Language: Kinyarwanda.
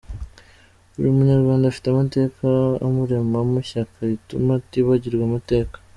Buri munyarwanda afite amateka amuremamo ishyaka rituma atibagirwa amateka.”